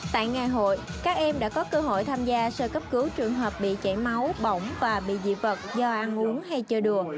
tại ngày hội các em đã có cơ hội tham gia sơ cấp cứu trường hợp bị chảy máu bỏng và bị dị vật do ăn uống hay chơi đường